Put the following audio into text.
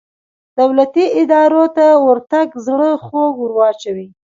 دولتي ادارو ته ورتګ زړه خوږ وراچوي.